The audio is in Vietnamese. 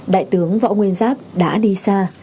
đại tướng võ nguyên giáp đã đi xa